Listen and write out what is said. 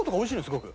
すごく。